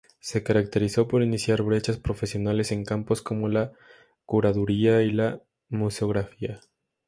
Se caracterizó por iniciar brechas profesionales en campos como la curaduría y la museografía.